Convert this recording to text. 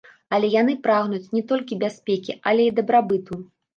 Але яны прагнуць не толькі бяспекі, але і дабрабыту.